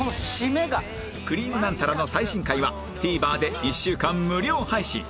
『くりぃむナンタラ』の最新回は Ｔｖｅｒ で１週間無料配信